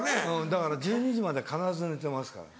だから１２時まで必ず寝てますから。